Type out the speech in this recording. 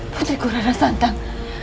putriku rada santang